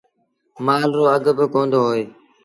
مآل رو اگھ باڪوندو هوئي۔